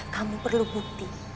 kamu perlu bukti